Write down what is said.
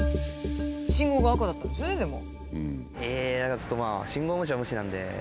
信号が赤だったんですよねでも。